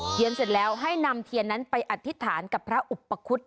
เสร็จแล้วให้นำเทียนนั้นไปอธิษฐานกับพระอุปคุฎ